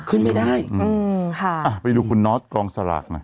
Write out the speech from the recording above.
ขึ้นไม่ได้อืมค่ะอ่ะไปดูคุณนอสกองสลากมา